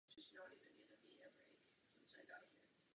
Podílel se v těchto měsících na jednání o přípravě federace.